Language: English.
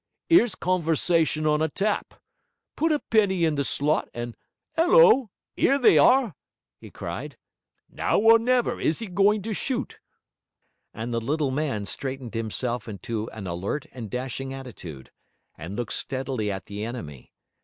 'Ere's conversation on a tap. Put a penny in the slot, and... 'ullo! 'ere they are!' he cried. 'Now or never is 'e goin' to shoot?' And the little man straightened himself into an alert and dashing attitude, and looked steadily at the enemy.